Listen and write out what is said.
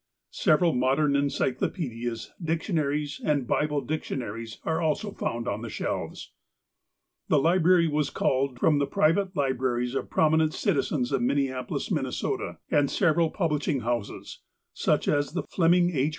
Several modern encyclopedias, dictionaries, and Bible dictiona ries are also found on the shelves. This library was culled from the private libraries of prominent citizens of Minneapolis, Minn., and several publishing houses, such as the Fleming H.